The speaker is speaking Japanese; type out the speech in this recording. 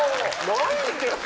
「無いんです」